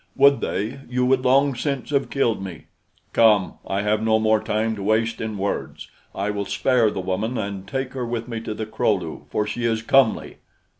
Would they, you would long since have killed me. Come! I have no more time to waste in words. I will spare the woman and take her with me to the Kro lu, for she is comely."